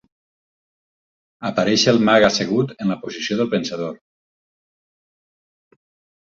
Apareix el mag assegut en la posició del pensador.